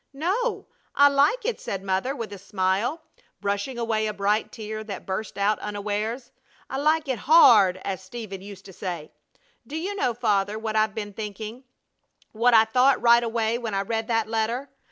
"No, I like it," said Mother, with a smile, brushing away a bright tear that burst out unawares. "I like it 'hard,' as Steve used to say! Do you know, Father, what I've been thinking what I thought right away when I read that letter?